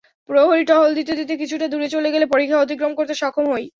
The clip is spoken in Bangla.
প্রহরী টহল দিতে দিতে কিছুটা দূরে চলে গেলে পরিখা অতিক্রম করতে সক্ষম হই।